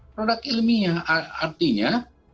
produk ilmiah artinya